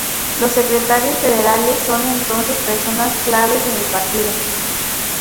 Los secretarios federales son entonces personas claves en el partido.